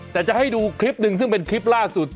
แต่จะให้ดูคลิปหนึ่งซึ่งเป็นคลิปล่าสุด